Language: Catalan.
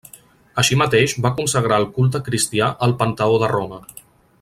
Així mateix va consagrar al culte cristià el Panteó de Roma.